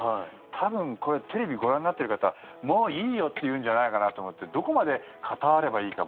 多分、これテレビをご覧になっている方もういいよって言うんじゃないかなと思ってどこまでカターレばいいか